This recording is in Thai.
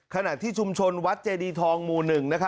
ขณะที่ชุมชนวัดเจดีทองหมู่๑